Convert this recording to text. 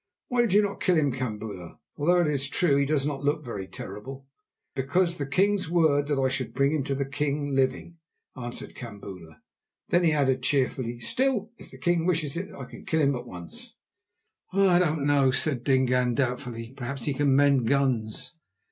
Why did you not kill him, Kambula, although it is true he does not look very terrible?" "Because the king's word was that I should bring him to the king living," answered Kambula. Then he added cheerfully: "Still, if the king wishes it, I can kill him at once." "I don't know," said Dingaan doubtfully; "perhaps he can mend guns."